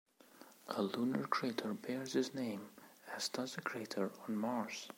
A lunar crater bears his name, as does a crater on Mars.